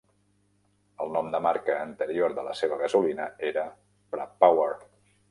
El nom de marca anterior de la seva gasolina era Propower.